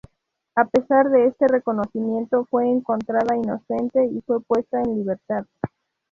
A pesar de este reconocimiento, fue encontrada inocente y fue puesta en libertad.